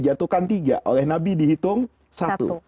dijatuhkan tiga oleh nabi dihitung satu